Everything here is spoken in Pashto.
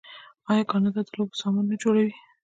آیا کاناډا د لوبو سامان نه جوړوي؟